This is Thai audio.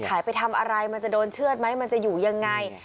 ไปทำอะไรมันจะโดนเชื่อดไหมมันจะอยู่ยังไง